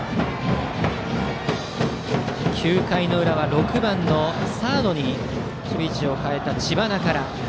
９回の裏は６番のサードに守備位置を変えた知花から。